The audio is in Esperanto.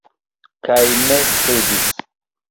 Kaj ne cedis.